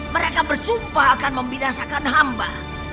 mereka bersumpah akan membinasakan amba